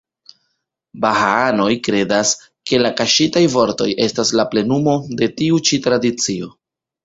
Bahaanoj kredas, ke la "Kaŝitaj Vortoj" estas la plenumo de tiu ĉi tradicio.